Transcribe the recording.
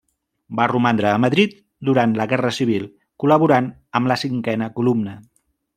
Va romandre a Madrid durant la Guerra Civil, col·laborant amb la cinquena columna.